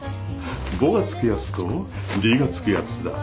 「ボ」が付くやつと「リ」が付くやつだ。